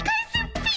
ピィ！